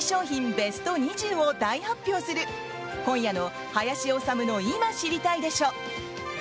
ベスト２０を大発表する今夜の「林修の今、知りたいでしょ！」。